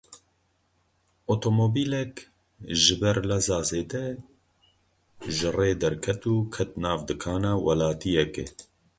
Otomobîlek ji ber leza zêde, ji rê derket û ket nav dikana welatiyekê.